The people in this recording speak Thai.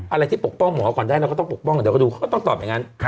อะไรที่ปกป้องหมอก่อนได้เราก็ต้องปกป้องเดี๋ยวก็ดูเขาก็ต้องตอบอย่างนั้น